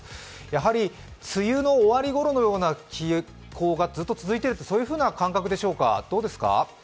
やはり梅雨の終わりごろのような傾向がずっと続いているそういう感覚でしょうか？